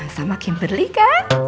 sama kimberly kan